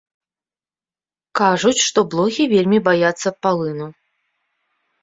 Кажуць, што блохі вельмі баяцца палыну.